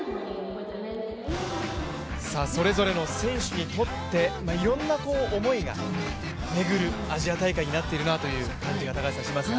それぞれの選手にとっていろんな思いが巡るアジア大会になっているなという感じがしますが。